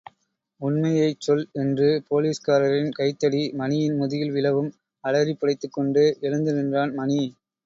உண்மையைச் சொல் என்று போலீஸ்காரரின் கைத்தடி, மணியின் முதுகில் விழவும் அலறிப் புடைத்துக் கொண்டு எழுந்து நின்றான் மணி.